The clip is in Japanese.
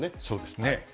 そうですね。